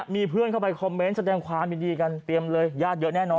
มีเพื่อนเข้าไปคอมเมนต์แสดงความยินดีกันเตรียมเลยญาติเยอะแน่นอน